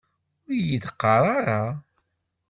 Ur iyi-d-qqar ara!